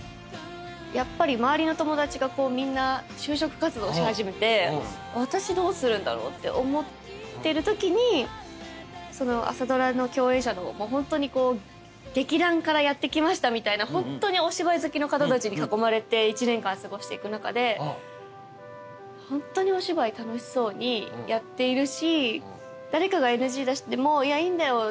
やっぱり周りの友達がみんな就職活動し始めて私どうするんだろうって思ってるときに朝ドラの共演者の劇団からやって来ましたみたいなホントにお芝居好きの方たちに囲まれて１年間過ごしていく中でホントにお芝居楽しそうにやっているし誰かがＮＧ出しても「いやいいんだよ」